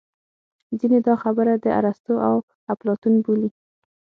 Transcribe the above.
ځینې دا خبره د ارستو او اپلاتون بولي